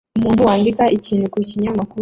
Umuntu wandika ikintu ku kinyamakuru